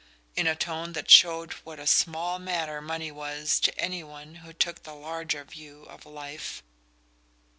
in a tone that showed what a small matter money was to any one who took the larger view of life.